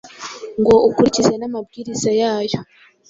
ngo ukurikize namabwiriza yayo